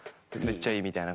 「めっちゃいい」。